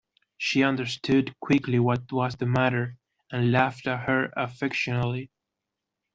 She understood quickly what was the matter, and laughed at her affectionately.